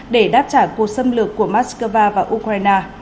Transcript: để đáp trả cuộc xâm lược của moscow và ukraine